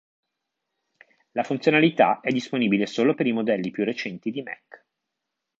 La funzionalità è disponibile solo per i modelli più recenti di Mac.